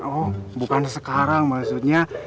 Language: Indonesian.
oh bukan sekarang maksudnya